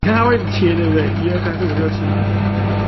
瞬息萬變的近景